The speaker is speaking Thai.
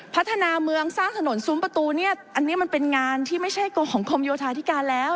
พัฒนาเมืองสร้างถนนซุ้มประตูเนี่ยอันนี้มันเป็นงานที่ไม่ใช่ตัวของกรมโยธาธิการแล้ว